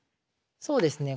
そうですね。